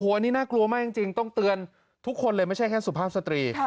อันนี้น่ากลัวมากจริงต้องเตือนทุกคนเลยไม่ใช่แค่สุภาพสตรี